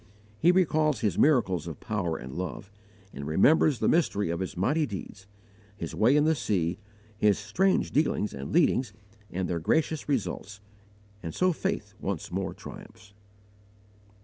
He recalls His miracles of power and love, and remembers the mystery of His mighty deeds His way in the sea, His strange dealings and leadings and their gracious results and so faith once more triumphs.